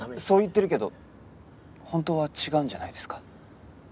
そう言ってるけど本当は違うんじゃないですか？